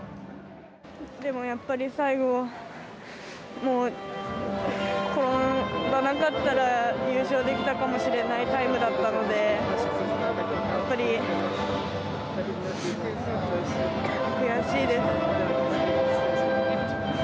でも、やっぱり最後転ばなかったら優勝できたかもしれないタイムだったのでやっぱり悔しいです。